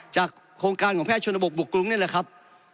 โครงการของแพทยชนบกบุกกรุงนี่แหละครับ